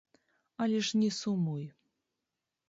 Але ж не сумуй.